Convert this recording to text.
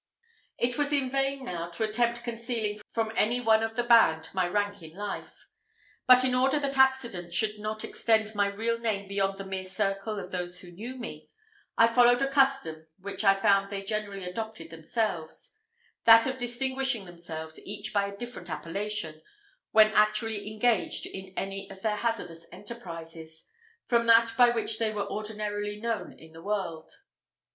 It was in vain now to attempt concealing from any one of the band my rank in life; but in order that accident should not extend my real name beyond the mere circle of those who knew me, I followed a custom which I found they generally adopted themselves that of distinguishing themselves, each by a different appellation, when actually engaged in any of their hazardous enterprises, from that by which they were ordinarily known in the world.